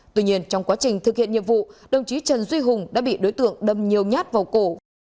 tuy nhiên trong quá trình thực hiện nhiệm vụ đồng chí trần duy hùng đã bị đối tượng đâm nhiều nhát vào cổ